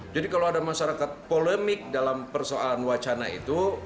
jadi kalau ada masyarakat polemik dalam persoalan wacana itu